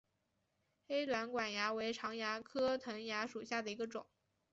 黑端管蚜为常蚜科藤蚜属下的一个种。